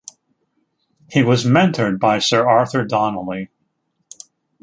He was mentored by Sir Arthur Donnelly.